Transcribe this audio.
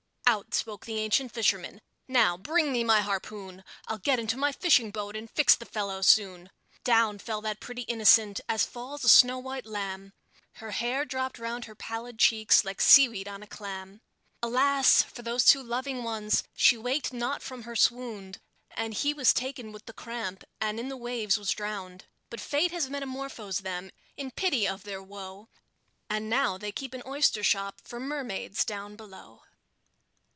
Out spoke the ancient fisherman: "Now, bring me my harpoon! I'll get into my fishing boat, and fix the fellow soon." Down fell that pretty innocent, as falls a snow white lamb; Her hair drooped round her pallid cheeks, like seaweed on a clam. Alas! for those two loving ones! she waked not from her swound, And he was taken with the cramp, and in the waves was drowned; But Fate has metamorphosed them, in pity of their woe, And now they keep an oyster shop for mermaids down below.